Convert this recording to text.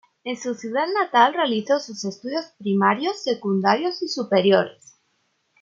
En su ciudad natal realizó sus estudios primarios, secundarios y superiores.